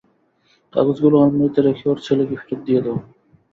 কাগজগুলো আলমারিতে রেখে ওর ছেলেকে ফেরত দিয়ে দাও।